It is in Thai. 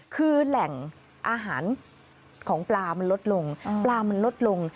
คือแหล่งอาหารของปลามันลดลงปลามันลดลง